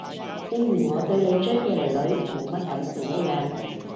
正如我對你追嘅囡囡冇乜感情一樣